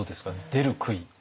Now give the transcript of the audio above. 出る杭。